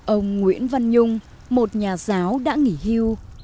ông nguyễn văn nhung một nhà giáo đã nghỉ hưu